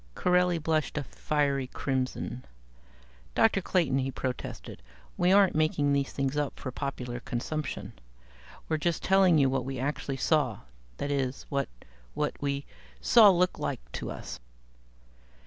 Corelli blushed a fiery crimson. "Dr. Clayton," he protested, "we aren't making these things up for popular consumption. We're just telling you what we actually saw that is what what we saw looked like to us."